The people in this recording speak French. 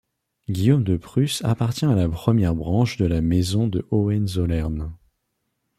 Guillaume de Prusse appartient à la première branche de la maison de Hohenzollern.